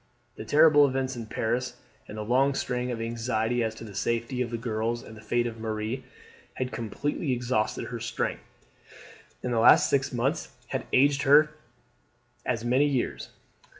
The terrible events in Paris, and the long strain of anxiety as to the safety of the girls and the fate of Marie, had completely exhausted her strength, and the last six months had aged her as many years.